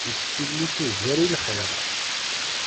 Yesfillit ugar i lxir.